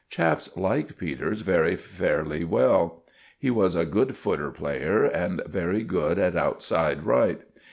Chaps liked Peters very fairly well. He was a good 'footer' player, and very good at outside right.